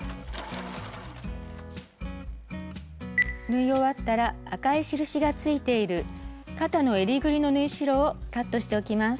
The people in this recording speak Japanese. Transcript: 縫い終わったら赤い印がついている肩の襟ぐりの縫い代をカットしておきます。